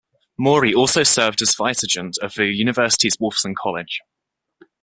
Moorey also served as Vicegerent of the University's Wolfson College.